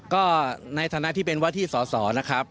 ก็ในฐานะที่เป็นว่าที่สอสอนะครับ